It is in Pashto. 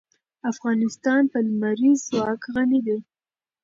افغانستان په لمریز ځواک غني دی.